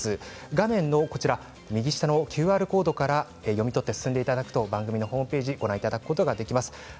画面右下のＱＲコードから読み取って進んでいただくと番組のホームページご覧いただくことができます。